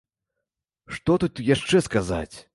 Што тут яшчэ сказаць?